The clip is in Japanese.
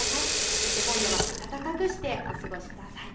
そして今夜は暖かくしてお過ごしください。